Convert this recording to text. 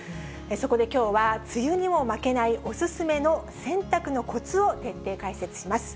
そこできょうは、梅雨にも負けないお勧めの洗濯のこつを徹底解説します。